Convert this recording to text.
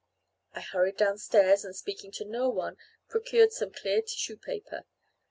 I hurried downstairs, and speaking to no one procured some clear tissue paper.